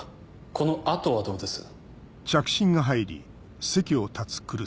この後はどうです？